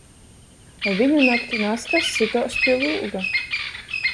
Viņunakt nazkas sytuos pi lūga.